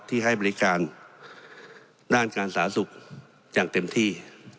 ที่ให้บริการด้านการสาธารณสุขอย่างเต็มที่